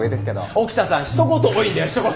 沖田さんひと言多いんだよひと言！